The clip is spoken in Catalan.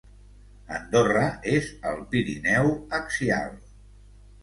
Andorra és al Pirineu axial.